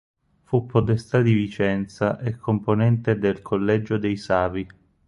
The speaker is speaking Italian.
Fu podestà di Vicenza e componente del Collegio dei Savi.